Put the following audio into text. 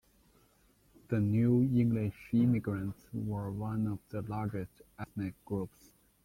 The new English immigrants were one of the largest ethnic groups.